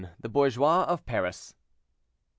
THE BOURGEOIS OF PARIS. M.